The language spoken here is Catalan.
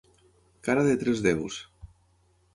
Cara de tres déus.